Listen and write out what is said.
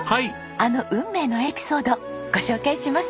あの運命のエピソードご紹介しますよ。